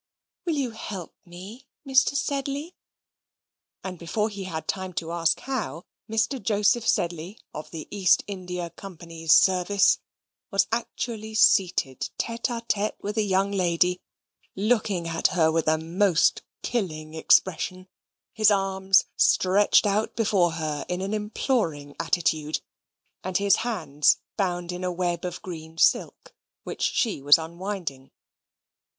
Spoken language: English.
Will you help me, Mr. Sedley?" And before he had time to ask how, Mr. Joseph Sedley, of the East India Company's service, was actually seated tete a tete with a young lady, looking at her with a most killing expression; his arms stretched out before her in an imploring attitude, and his hands bound in a web of green silk, which she was unwinding.